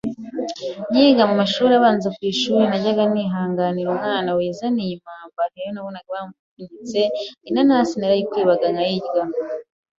nkiga mu mashuri abanza ku ishuri ntajyaga nihanganira umwana wizaniye impamba iyo nabonaga wapfunyitse inanasi narayikwibaga nkayirya